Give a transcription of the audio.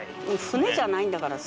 「船じゃないんだから」。